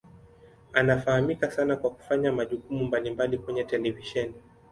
Anafahamika sana kwa kufanya majukumu mbalimbali kwenye televisheni.